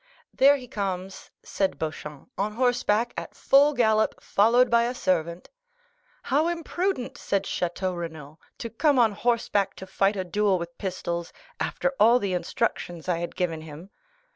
"There he comes," said Beauchamp, "on horseback, at full gallop, followed by a servant." "How imprudent," said Château Renaud, "to come on horseback to fight a duel with pistols, after all the instructions I had given him."